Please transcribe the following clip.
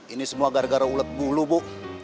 ini semua gara gara ulet dulu bu